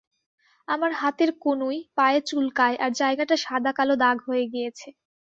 আমার হাতের কনুই, পায়ে চুলকায় আর জায়গাটা সাদা কালো দাগ হয়ে গিয়েছে।